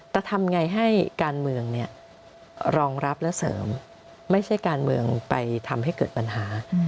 แต่ทำไงให้การเมืองรองรับและเสริมไม่ใช่การเมืองไปทำให้เกิดปัญหา